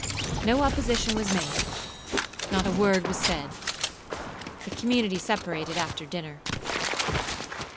No opposition was made,—not a word was said. The community separated after dinner.